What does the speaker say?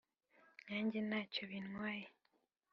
'nkanjye nacyo bintwaye